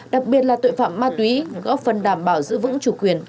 đặc biệt là tội phạm ma túy góp phần đảm bảo giữ vững chủ quyền